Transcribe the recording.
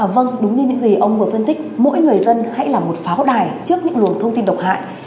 vâng đúng như những gì ông vừa phân tích mỗi người dân hãy là một pháo đài trước những luồng thông tin độc hại